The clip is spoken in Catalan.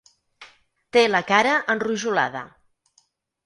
Té la cara enrojolada.